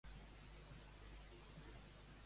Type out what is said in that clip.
Al Bonpreu o al Keisy?